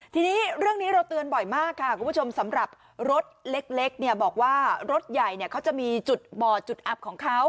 ทีนี้เรื่องนี้เราเตือนบ่อยมากค่ะคุณผู้ชมสำหรับรถเล็กเนี่ยบอกว่ารถใหญ่เขาจะมีจุดบ่อจุดอับของเขา